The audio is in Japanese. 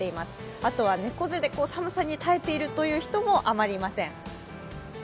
あとは猫背で寒さに耐えているという人もあまりいません。